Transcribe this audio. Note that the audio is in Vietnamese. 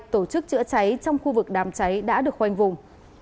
tổ chức chữa cháy trong khu vực đám cháy đã được khoanh vùng